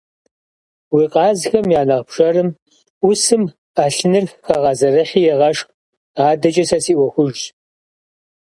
Уи къазхэм я нэхъ пшэрым Ӏусым Ӏэлъыныр хэгъэзэрыхьи, егъэшх, адэкӀэ сэ си Ӏуэхужщ.